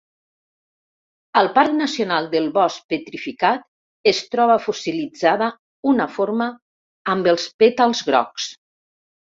Al Parc Nacional del Bosc Petrificat es troba fossilitzada una forma amb els pètals grocs.